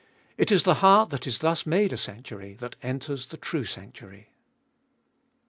It is the heart that is thus made a sanctuary that enters the true sanctuary. 2.